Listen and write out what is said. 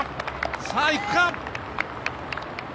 さあ、いくか？